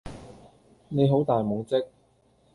你好大懵即